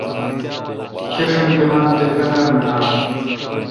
کݭین پلان تےپنر منان